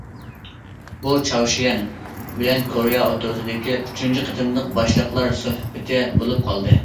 بۇ، چاۋشيەن بىلەن كورېيە ئوتتۇرىسىدىكى ئۈچىنچى قېتىملىق باشلىقلار سۆھبىتى بولۇپ قالدى.